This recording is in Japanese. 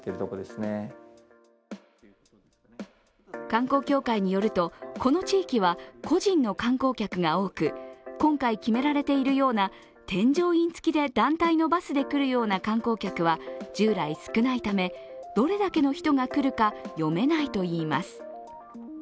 観光協会によると、この地域は個人の観光客が多く今回決められているような添乗員付きで団体のバスで来るような観光客は従来少ないため、どれだけの人が来るか読めないといいます。